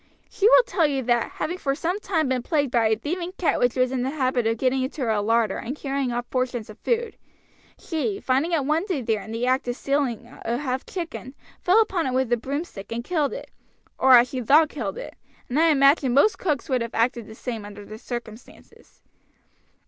She will tell you that, having for some time been plagued by a thieving cat which was in the habit of getting into her larder and carrying off portions of food, she, finding it one day there in the act of stealing a half chicken, fell upon it with a broomstick and killed it, or as she thought killed it, and I imagine most cooks would have acted the same under the circumstances.